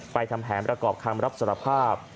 ทำแผนประกอบคำรับสารภาพ